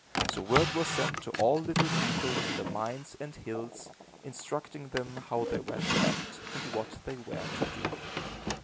So word was sent to all little people in the mines and hills, instructing them how they were to act and what they were to do.